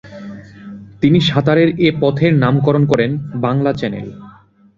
তিনি সাঁতারের এ পথের নামকরণ করেন ‘বাংলা চ্যানেল’।